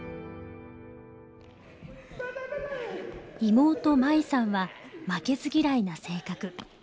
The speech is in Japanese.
妹真衣さんは負けず嫌いな性格。